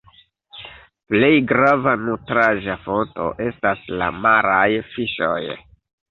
Plej grava nutraĵa fonto estas la maraj fiŝoj.